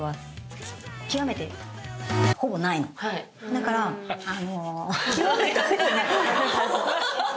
だからあの。